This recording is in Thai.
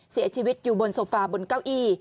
เสียชีวิตอยู่บนโซฟาบนเก้าอี้